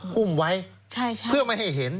หุ้มไว้เพื่อไม่ให้เห็น